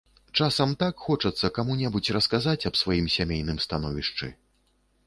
Часам так хочацца каму-небудзь расказаць аб сваім сямейным становішчы.